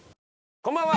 こんばんは！